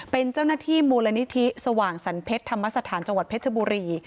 เป็นเจ้าหน้าที่มูลนิธิสว่างสรรเพชรธรรมสถานจังหวัดเพชรบุรี